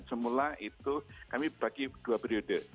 semula itu kami bagi dua periode